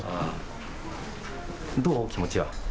どう、気持ちは？